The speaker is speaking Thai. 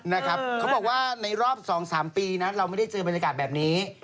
นะครับเขาบอกว่าในรอบ๒๓ปีนะเราไม่ได้เจอบรรยากาศแบบนี้